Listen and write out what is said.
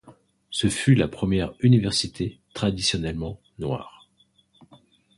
Ce fut la première Université traditionnellement noire.